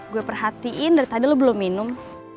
gue perhatiin dari tadi lo belum minum